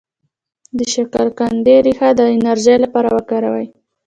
د شکرقندي ریښه د انرژی لپاره وکاروئ